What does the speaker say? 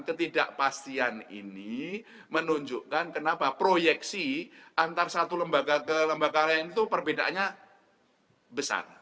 ketidakpastian ini menunjukkan kenapa proyeksi antara satu lembaga ke lembaga lain itu perbedaannya besar